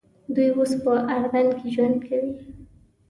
دوی اوس په اردن کې ژوند کوي.